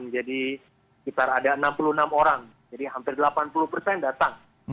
jadi sekitar ada enam puluh enam orang jadi hampir delapan puluh persen datang